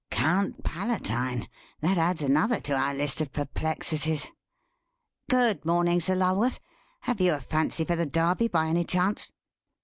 "Count Palatine—that adds another to our list of perplexities. Good morning, Sir Lulworth; have you a fancy for the Derby by any chance?"